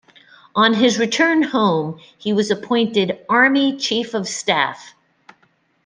On his return home, he was appointed Army Chief of Staff.